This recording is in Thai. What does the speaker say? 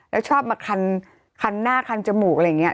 แล้วชอบมาคันหน้าคันจมูกอะไรอย่างนี้